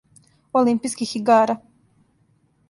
Олимпијских игара.